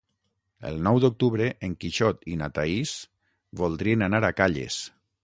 El nou d'octubre en Quixot i na Thaís voldrien anar a Calles.